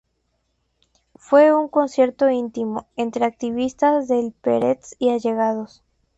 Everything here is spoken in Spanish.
Fue un concierto íntimo, entre activistas del Peretz y allegados.